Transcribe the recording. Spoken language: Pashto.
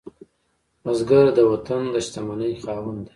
بزګر د وطن د شتمنۍ خاوند دی